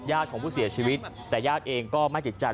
ญาติของผู้เสียชีวิตแบบแต่ญาติเองก็ไม่ติดใจแล้ว